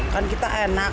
kan kita enak